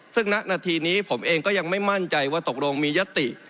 ซึ่งณนาทีนี้ผมเองก็ยังไม่มั่นใจว่าตกลงมียติ